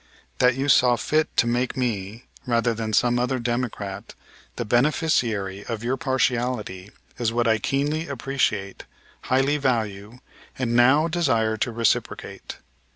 That you saw fit to make me, rather than some other Democrat, the beneficiary of your partiality is what I keenly appreciate, highly value and now desire to reciprocate.